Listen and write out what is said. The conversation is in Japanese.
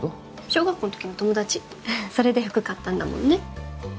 小学校の時の友達それで服買ったんだもんね